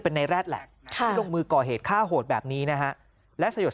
เป็นในแร็ดแหละที่ลงมือก่อเหตุฆ่าโหดแบบนี้นะฮะและสยด